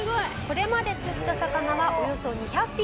これまで釣った魚はおよそ２００匹以上。